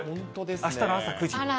あしたの朝９時。